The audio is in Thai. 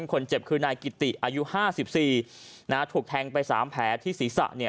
คนเจ็บคือนายกิติอายุห้าสิบสี่นะฮะถูกแทงไปสามแผลที่ศีรษะเนี้ย